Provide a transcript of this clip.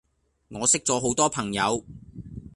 我識左好多朋友